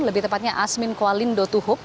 sebelumnya adalah pemimpin kualin dotuhuk